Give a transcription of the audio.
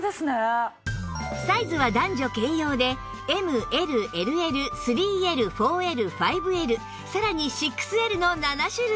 サイズは男女兼用で ＭＬＬＬ３Ｌ４Ｌ５Ｌ さらに ６Ｌ の７種類